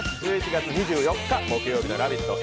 １１月２４日木曜日の「ラヴィット！」